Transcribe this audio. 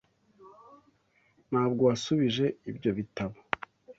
Ntabwo wasubije ibyo bitabo?